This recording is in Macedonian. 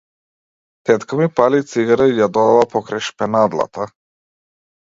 Тетка ми пали цигара и ја додава покрај шпенадлата.